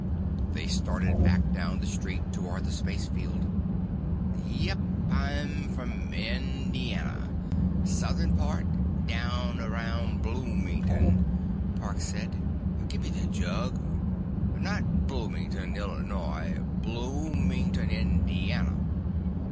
They started back down the street toward the spacefield. "Yep, I'm from Indiana. Southern part, down around Bloomington," Parks said. "Gimme the jug. Not Bloomington, Illinois—Bloomington, Indiana.